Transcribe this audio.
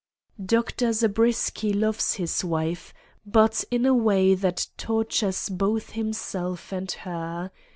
"Dr. Zabriskie loves his wife, but in a way that tortures both himself and her.